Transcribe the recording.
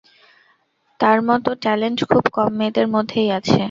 তার মত ট্যালেন্ট খুব কম মেয়েদের মধ্যেই আছে।